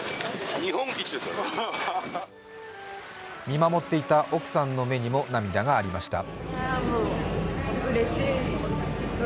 見守っていた奥さんの目にも涙がありました。